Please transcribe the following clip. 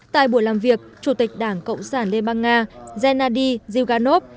tại buổi làm việc chủ tịch đảng cộng sản liên bang nga gennady zyuganov